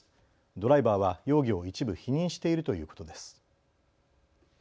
ドライバーは容疑を一部否認しているということです。